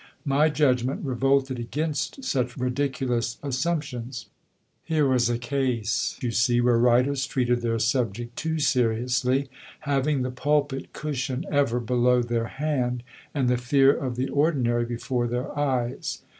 My judgment revolted against such ridiculous assumptions. Here was a case, you see, where writers treated their subject too seriously, having the pulpit cushion ever below their hand, and the fear of the Ordinary before their eyes.